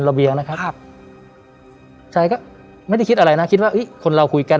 เบียงนะครับครับชัยก็ไม่ได้คิดอะไรนะคิดว่าคนเราคุยกัน